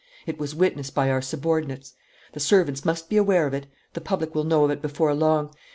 It was witnessed by our subordinates. The servants must be aware of it. The public will know of it before long.